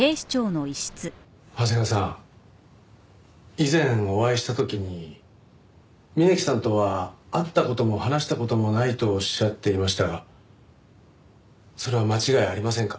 以前お会いした時に峯木さんとは会った事も話した事もないとおっしゃっていましたがそれは間違いありませんか？